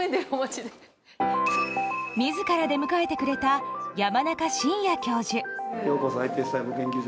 自ら出迎えてくれた山中伸弥教授。